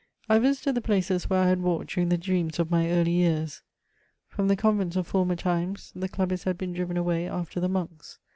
I visited the places where I had walked during the dreams of my early years. From the convents of former times, the clubbists had been driven away after the monks.